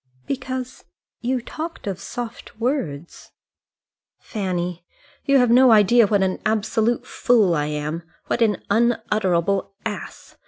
"Because you talked of soft words." "Fanny, you have no idea what an absolute fool I am, what an unutterable ass.